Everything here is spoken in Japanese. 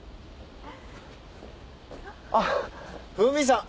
あっフミさん。